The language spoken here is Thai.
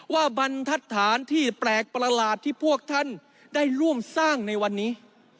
บรรทัศน์ที่แปลกประหลาดที่พวกท่านได้ร่วมสร้างในวันนี้